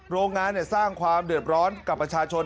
โรงงานสร้างความเดือดร้อนกับประชาชน